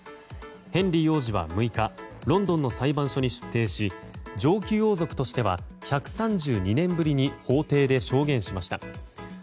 ヘンリー王子は６日ロンドンの裁判所に出廷し上級王族としては１３２年ぶりに法廷で証言しました。